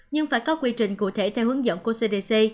nhưng phải có quy trình cụ thể theo hướng dẫn của cdc